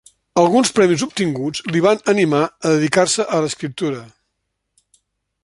Alguns premis obtinguts li van animar a dedicar-se a l'escriptura.